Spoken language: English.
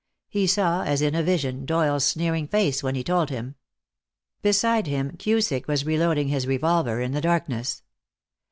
He saw, as in a vision, Doyle's sneering face when he told him. Beside him Cusick was reloading his revolver in the darkness.